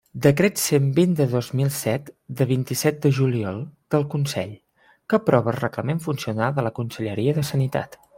Decret cent vint de dos mil set, de vint-i-set de juliol, del Consell, que aprova el Reglament Funcional de la Conselleria de Sanitat.